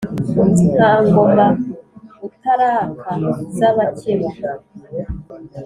nta ngoma utaraka z'abakeba